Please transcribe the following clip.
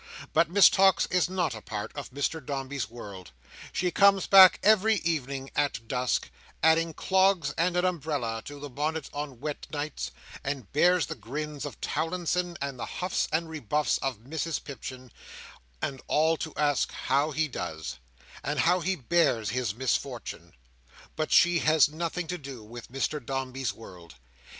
But Miss Tox is not a part of Mr Dombey's world. She comes back every evening at dusk; adding clogs and an umbrella to the bonnet on wet nights; and bears the grins of Towlinson, and the huffs and rebuffs of Mrs Pipchin, and all to ask how he does, and how he bears his misfortune: but she has nothing to do with Mr Dombey's world.